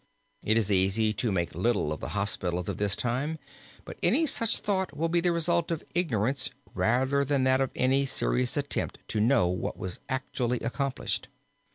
It is easy to make little of the hospitals of this time but any such thought will be the result of ignorance rather than of any serious attempt to know what was actually accomplished.